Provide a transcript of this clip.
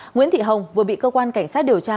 nguyễn thị hồng vừa bị cơ quan cảnh sát điều tra